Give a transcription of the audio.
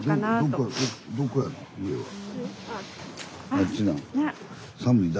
あっちなの。